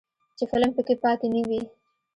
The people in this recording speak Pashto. چې فلم پکې پاتې نه وي.